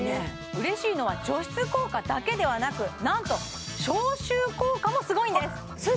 うれしいのは除湿効果だけではなくなんと消臭効果もすごいんですそれ